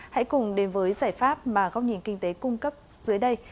hãy cùng đến với giải pháp mà góc nhìn kinh tế cung cấp dưới đây